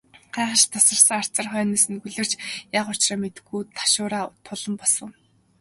Би гайхаш тасарсан харцаар хойноос нь гөлөрч, яах учраа мэдэхгүй ташуураа тулан босов.